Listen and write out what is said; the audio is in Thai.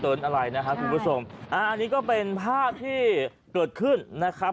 อะไรนะครับคุณผู้ชมอ่าอันนี้ก็เป็นภาพที่เกิดขึ้นนะครับ